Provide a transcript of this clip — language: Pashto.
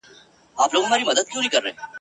اوس هغه شیخان په ښکلیو کي لوبیږي ..